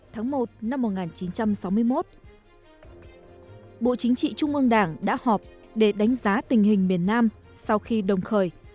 tháng một năm một nghìn chín trăm sáu mươi một bộ chính trị trung ương đảng đã họp để đánh giá tình hình miền nam sau khi đồng khởi